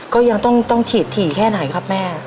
ก็ยังต้องฉีดถี่แค่ไหนครับแม่